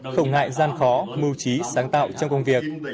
không ngại gian khó mưu trí sáng tạo trong công việc